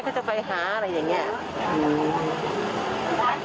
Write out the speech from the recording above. ค่ะก็จะไปหาอะไรอย่างนี้